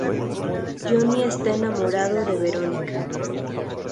Johnny está enamorado de Verónica.